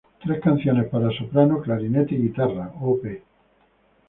Tres canciones para soprano, clarinete y guitarra Op.